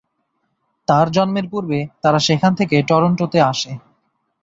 তার জন্মের পূর্বে তারা সেখান থেকে টরন্টোতে আসে।